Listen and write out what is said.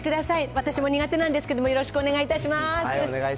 私も苦手なんですけれども、よろしくお願いいたします。